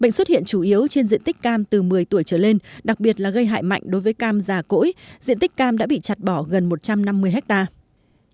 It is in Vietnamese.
bệnh xuất hiện chủ yếu trên diện tích cam từ một mươi tuổi trở lên đặc biệt là gây hại mạnh đối với cam già cỗi diện tích cam đã bị chặt bỏ gần một trăm năm mươi hectare